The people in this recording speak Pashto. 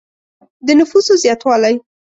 د نفوسو زیاتوالی.